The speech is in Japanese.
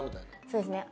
そうですね。